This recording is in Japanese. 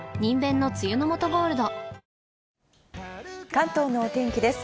関東のお天気です。